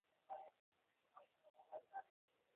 কিছু টাকা তো আসবে।